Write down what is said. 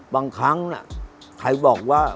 บางครั้งใครบอกว่า